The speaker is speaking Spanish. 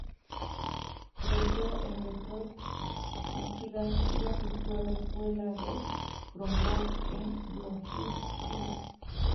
Creció en Detroit, Michigan, y asistió a la escuela de Cranbrook en Bloomfield Hills.